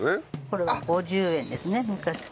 これ５０円ですね昔。